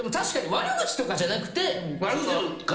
悪口とかじゃなくてね。